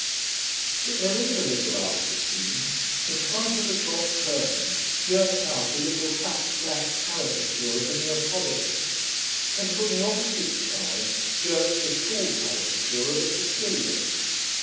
But there is a little after scene: in front of the drop curtain jerks out a little fat flat caricature of a Neapolitan, and from the opposite side jerks the tall caricature of a Sicilian.